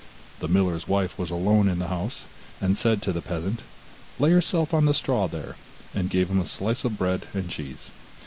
The miller's wife was alone in the house, and said to the peasant: 'Lay yourself on the straw there,' and gave him a slice of bread and cheese.